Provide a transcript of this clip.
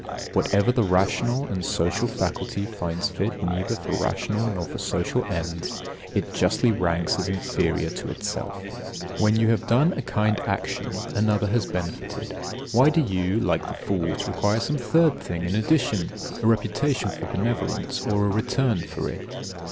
72. Whatever the rational and social faculty finds fit neither for rational nor for social ends, it justly ranks as inferior to itself. 73. When you have done a kind action, another has benefited. Why do you, like the fools, require some third thing in addition a reputation for benevolence or a return for it.